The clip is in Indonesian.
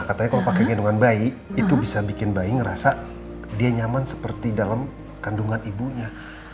katanya kalau pakai kandungan baik itu bisa bikin bayi ngerasa dia nyaman seperti dalam kandungan ibunya